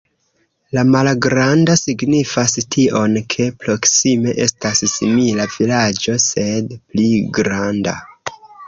La malgranda signifas tion, ke proksime estas simila vilaĝo, sed pli granda.